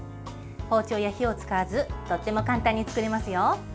包丁や火を使わずとっても簡単に作れますよ。